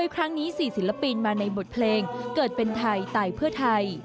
ครั้งนี้๔ศิลปินมาในบทเพลงเกิดเป็นไทยตายเพื่อไทย